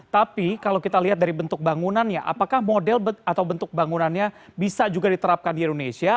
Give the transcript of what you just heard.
tapi kalau kita lihat dari bentuk bangunannya apakah model atau bentuk bangunannya bisa juga diterapkan di indonesia